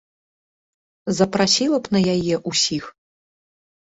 Запрасіла б на яе ўсіх.